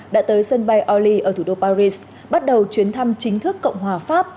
đã tới sân bay ali ở thủ đô paris bắt đầu chuyến thăm chính thức cộng hòa pháp